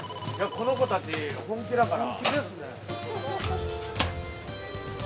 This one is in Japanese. この子たち本気だから。